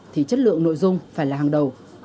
thì chất lượng nội dung phải là hàng đầu